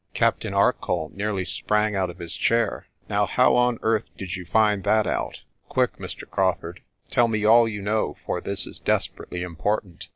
Captain Arcoll nearly sprang out of his chair. "Now, how on earth did you find that out? Quick, Mr. Crawfurd, tell me all you know, for this is desperately important."